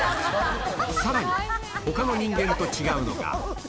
さらに、ほかの人間と違うのが。